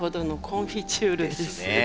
コンフィチュール。